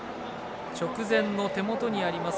直前の手元にあります